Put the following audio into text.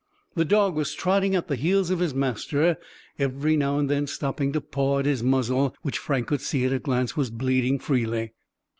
The dog was trotting at the heels of his master, every now and then stopping to paw at his muzzle, which Frank could see at a glance was bleeding freely.